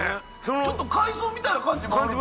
ちょっと海藻みたいな感じもありますね。